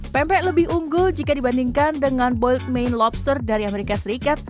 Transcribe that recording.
pempek lebih unggul jika dibandingkan dengan boyd main lobster dari amerika serikat